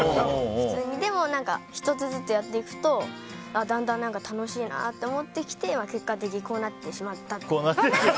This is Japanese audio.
でも、１つずつやっていくとだんだん楽しいなと思ってきて結果的にこうなってしまったっていう。